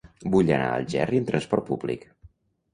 Vull anar a Algerri amb trasport públic.